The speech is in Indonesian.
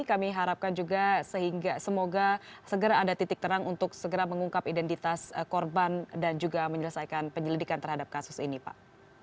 kami harapkan juga sehingga semoga segera ada titik terang untuk segera mengungkap identitas korban dan juga menyelesaikan penyelidikan terhadap kasus ini pak